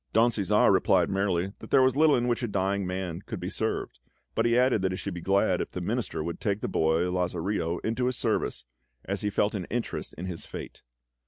Don Cæsar replied merrily that there was little in which a dying man could be served, but he added that he should be glad if the Minister would take the boy, Lazarillo, into his service, as he felt an interest in his fate.